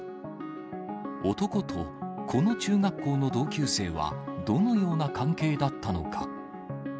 男とこの中学校の同級生は、どのような関係だったのか。